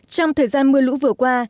trong thời gian mưa lũ vừa qua